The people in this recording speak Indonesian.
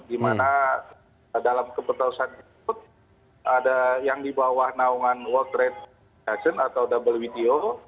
di mana dalam keputusan tersebut ada yang di bawah naungan world trade fashion atau wto